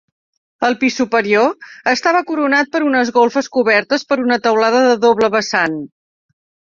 El pis superior estava coronat per unes golfes cobertes per una teulada de doble vessant.